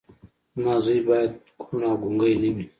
زما زوی بايد کوڼ او ګونګی نه وي.